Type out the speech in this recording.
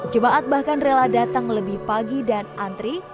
jemaat bahkan rela datang lebih pagi dan antri